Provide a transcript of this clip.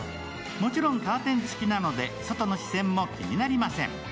もちろんカーテン付きなので外の視線も気になりません。